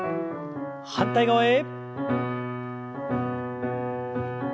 反対側へ。